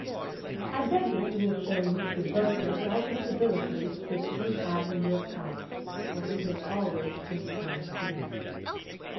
'I beg that you will shew Mr. Beauclerk all the civilities which you have in your power; for he has always been kind to me.